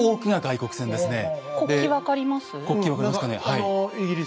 国旗分かります？